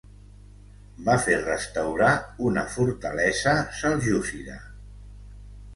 Va fer restaurar una fortalesa seljúcida.